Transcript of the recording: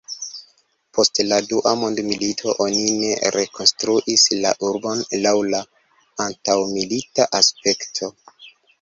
Post la Dua Mondmilito oni ne rekonstruis la urbon laŭ la antaŭmilita aspekto.